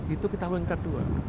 itu kita lengkap dua